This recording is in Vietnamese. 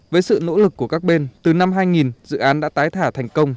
với sự nỗ lực của các bên từ năm hai nghìn dự án đã tái thả thành công